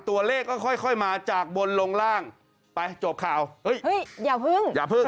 ตัวเลขก็ค่อยค่อยมาจากบนลงล่างไปจบข่าวเฮ้ยเฮ้ยอย่าพึ่งอย่าพึ่ง